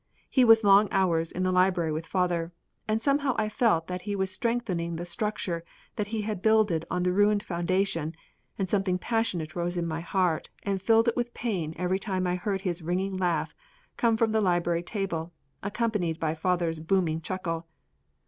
He was long hours in the library with father, and somehow I felt that he was strengthening the structure that he had builded on the ruined foundation and something passionate rose in my heart and filled it with pain every time I heard his ringing laugh come from the library table, accompanied by father's booming chuckle.